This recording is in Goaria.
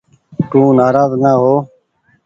تو نآراز نآ هو ۔